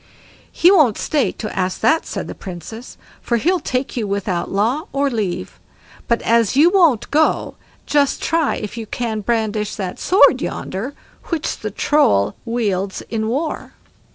"He won't stay to ask that", said the Princess, "for he'll take you without law or leave; but as you won't go, just try if you can brandish that sword yonder, which the Troll wields in war."